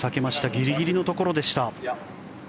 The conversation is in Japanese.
ギリギリのところでした。